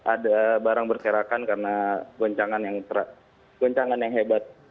ada barang berserakan karena goncangan yang hebat